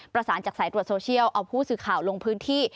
ประสานจากสายตรวจโซเชียลเอาผู้สื่อข่าวลงพื้นที่